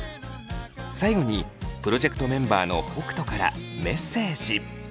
最後にプロジェクトメンバーの北斗からメッセージ。